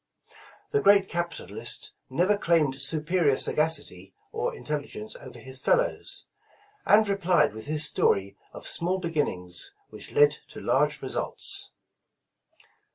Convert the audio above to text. The great capitalist never claimed superior sagacity or intelligence over his fellows, and replied with his story of small beginnings, which led to large results.